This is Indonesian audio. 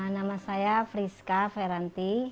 nama saya priska feranti